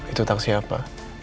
itu taksi apa